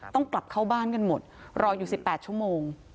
ต้องกลับเข้าบ้านกันหมดรออยู่๑๘ชั่วโมง